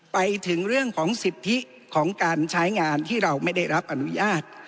ไปถึงเรื่องของสิทธิของการใช้งานที่เราไม่ได้รับอนุญาต